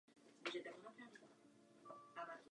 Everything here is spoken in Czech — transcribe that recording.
Španělský přesídlil do Madridu.